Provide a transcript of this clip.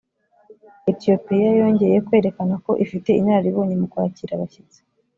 etiyopiya yongeye kwerekana ko ifite inararibonye mu kwakira abashyitsi.